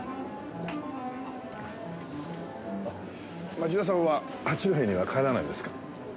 町田さんは八戸には帰らないんですか？